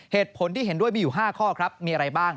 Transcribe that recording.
เหตุผลที่เห็นด้วยมีอยู่๕ข้อครับมีอะไรบ้าง